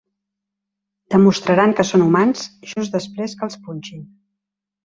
Demostraran que són humans, just després que els punxin.